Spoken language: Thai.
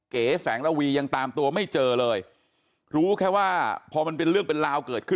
เก๋แสงระวียังตามตัวไม่เจอเลยรู้แค่ว่าพอมันเป็นเรื่องเป็นราวเกิดขึ้น